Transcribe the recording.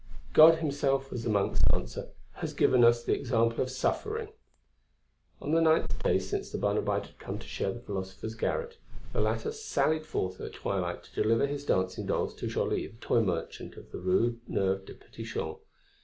"God himself," was the Monk's answer, "has given us the example of suffering." On the ninth day since the Barnabite had come to share the philosopher's garret, the latter sallied forth at twilight to deliver his dancing dolls to Joly, the toy merchant of the Rue Neuve des Petits Champs.